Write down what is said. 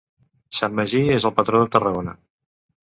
Sant Magí és el patró de Tarragona.